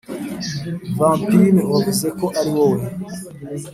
vampire wavuze ko ariwowe